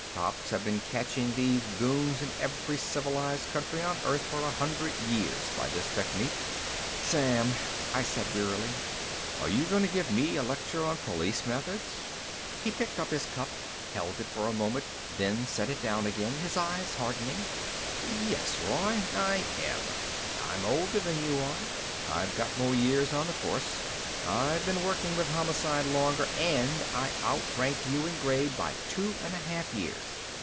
Cops have been catching these goons in every civilized country on Earth for a hundred years by this technique." "Sam," I said wearily, "are you going to give me a lecture on police methods?" He picked up his cup, held it for a moment, then set it down again, his eyes hardening. "Yes, Roy, I am! I'm older than you are, I've got more years on the Force, I've been working with Homicide longer, and I outrank you in grade by two and a half years!